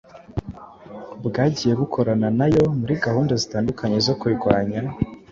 bwagiye bukorana nayo muri gahunda zitandukanye zo kurwanya